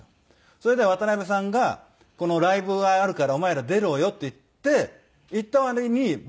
それで渡辺さんが「ライブがあるからお前ら出ろよ」って言って言った割に僕が忘れていまして。